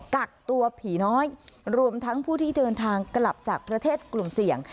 กักตัวผีน้อยรวมทั้งผู้ที่เดินทางกลับจากประเทศกลุ่มเสี่ยง